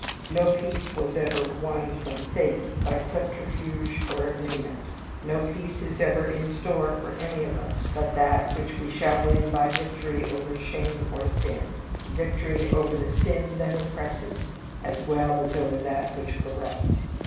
No peace was ever won from Fate by subterfuge or agreement; no peace is ever in store for any of us, but that which we shall win by victory over shame or sin; victory over the sin that oppresses, as well as over that which corrupts.